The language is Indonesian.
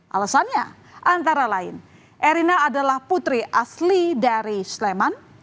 alasannya antara lain erina adalah putri asli dari sleman